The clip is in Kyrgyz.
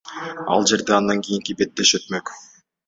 Ал жерде андан кийинки беттеш өтмөк.